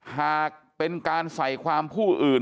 หากเป็นการใส่ความผู้อื่น